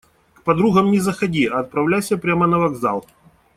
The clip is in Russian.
К подругам не заходи, а отправляйся прямо на вокзал.